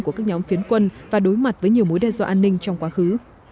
của các nhóm phiến quân và đối mặt với nhiều mối đe dọa an ninh trong quá khứ